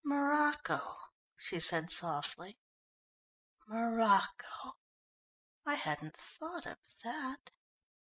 "Morocco!" she said softly. "Morocco I hadn't thought of that!"